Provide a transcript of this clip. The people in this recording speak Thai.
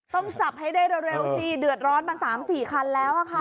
ต้องจับให้ได้เร็วสิเดือดร้อนมา๓๔คันแล้วค่ะ